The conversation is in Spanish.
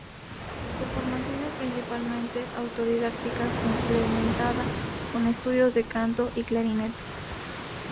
Su formación es principalmente autodidacta complementada con estudios de canto y clarinete.